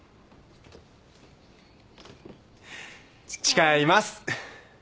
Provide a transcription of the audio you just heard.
誓います。